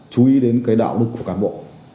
chú ý đến cái đạo đức của cán bộ